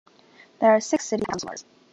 There are six city councilors.